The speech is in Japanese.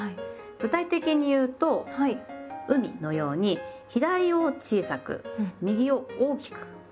具体的に言うと「海」のように左を小さく右を大きく書きます。